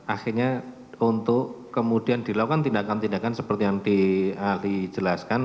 akhirnya untuk kemudian dilakukan tindakan tindakan seperti yang dijelaskan